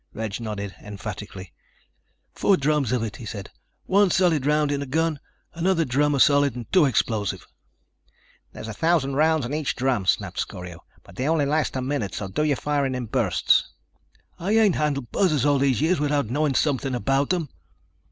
Reg nodded emphatically. "Four drums of it," he said. "One solid round in the gun. Another drum of solid and two explosive." "There's a thousand rounds in each drum," snapped Scorio, "but they last only a minute, so do your firing in bursts." "I ain't handled buzzers all these years without knowing something about them."